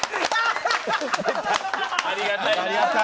ありがたいな。